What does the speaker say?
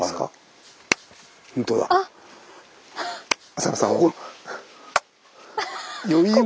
浅野さんも。